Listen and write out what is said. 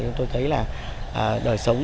chúng tôi thấy là đời sống